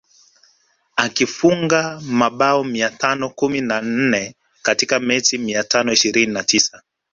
Akifunga mabao mia tano kumi na nne katika mechi mia tano ishirini na tisa